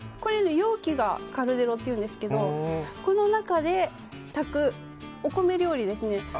容器がカルデロっていうんですけどこの中で炊くお米料理ですね。